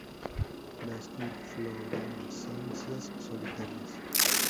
Las inflorescencias solitarias.